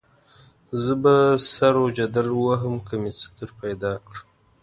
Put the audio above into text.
زه به سر وجدل ووهم که مې څه درپیدا کړه.